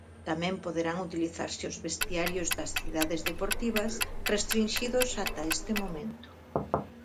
Tamén poderán utilizarse os vestiarios das cidades deportivas, restrinxidos ata este momento.